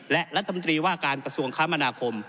และรัฐมนตรีว่าการกระทรวงคมนาคม